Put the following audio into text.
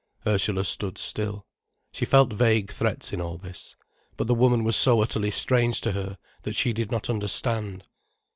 Ursula stood still. She felt vague threats in all this. But the woman was so utterly strange to her, that she did not understand.